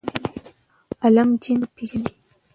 علم جنس نه پېژني.